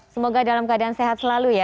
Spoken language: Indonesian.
semoga dalam keadaan sehat selalu ya